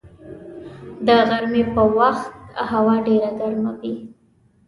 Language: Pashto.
د غرمې په وخت هوا ډېره ګرمه وي